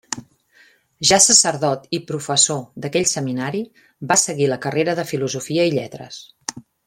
Ja sacerdot i professor d'aquell seminari va seguir la carrera de Filosofia i Lletres.